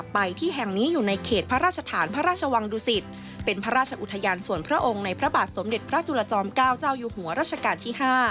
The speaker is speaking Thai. ไปที่แห่งนี้อยู่ในเขตพระราชฐานพระราชวังดุสิตเป็นพระราชอุทยานส่วนพระองค์ในพระบาทสมเด็จพระจุลจอม๙เจ้าอยู่หัวรัชกาลที่๕